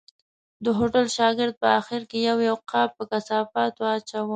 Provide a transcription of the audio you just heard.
د هوټل شاګرد په آخر کې یو یو قاب په کثافاتو اچاوه.